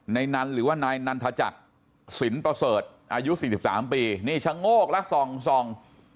นันหรือว่านายนันทจักรสินประเสริฐอายุ๔๓ปีนี่ชะโงกแล้วส่องส่อง